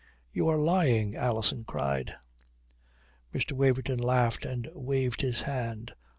"You are lying," Alison cried. Mr. Waverton laughed and waved his hand.